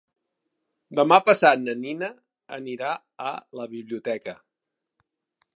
Demà passat na Nina anirà a la biblioteca.